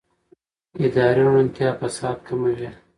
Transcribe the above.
اداري روڼتیا فساد کموي